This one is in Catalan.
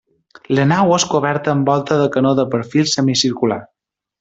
La nau és coberta amb volta de canó de perfil semicircular.